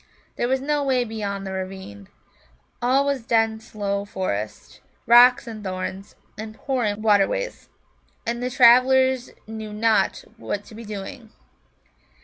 There was no way beyond the ravine. All was dense low forest, rocks and thorns, and pouring waterways. And the travellers knew not what to be doing.